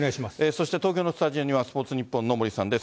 そして東京のスタジオにはスポーツニッポンの森さんです。